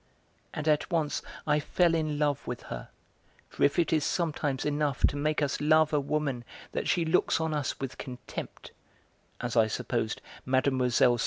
And at once I fell in love with her, for if it is sometimes enough to make us love a woman that she looks on us with contempt, as I supposed Mlle.